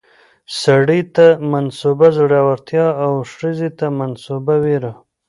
سړي ته منسوبه زړورتيا او ښځې ته منسوبه ويره